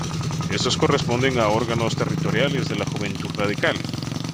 Estos corresponden a órganos territoriales de la Juventud Radical.